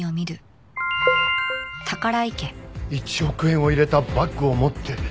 「１億円を入れたバッグを持って」。